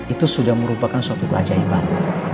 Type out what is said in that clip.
itu sudah merupakan suatu keajaiban